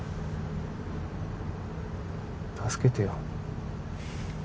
助けてよ